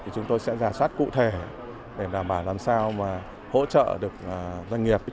chúng tôi sẽ giả sát cụ thể để đảm bảo làm sao hỗ trợ được doanh nghiệp